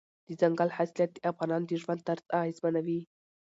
دځنګل حاصلات د افغانانو د ژوند طرز اغېزمنوي.